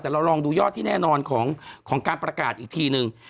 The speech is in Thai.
แต่เราลองดูยอดที่แน่นอนของการประกาศอีกทีนึง